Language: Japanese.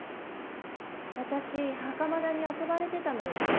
私袴田に遊ばれてたのよね。